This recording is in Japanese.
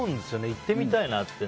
行ってみたいなって。